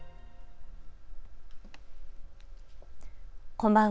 こんばんは。